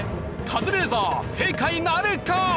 カズレーザー正解なるか？